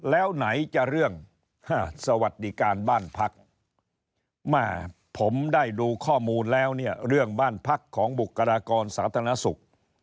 แล้วไหนจะเรื่องสวัสดิการบ้านพักแม่ผมได้ดูข้อมูลแล้วเนี่ยเรื่องบ้านพักของบุคลากรสาธารณสุข